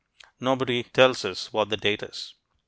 Nobody tells us what the date is.